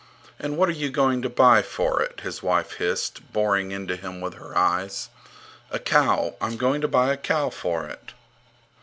And what are you going to buy for it? his wife hissed, boring into him with her eyes. A cow. I'm going to buy a cow for it.